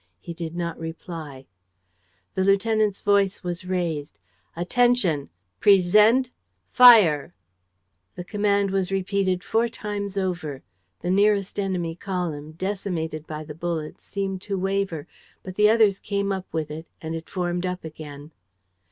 He did not reply. The lieutenant's voice was raised: "Attention! ... Present! ... Fire! ..." The command was repeated four times over. The nearest enemy column, decimated by the bullets, seemed to waver. But the others came up with it; and it formed up again.